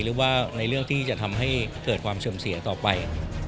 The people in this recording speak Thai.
หรือว่าในเรื่องที่จะทำให้เกิดความเสื่อมเสียต่อไป